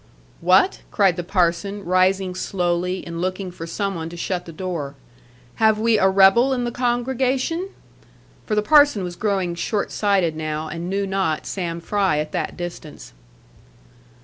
'What!' cried the parson, rising slowly, and looking for some one to shut the door: 'have we a rebel in the congregation?' For the parson was growing short sighted now, and knew not Sam Fry at that distance.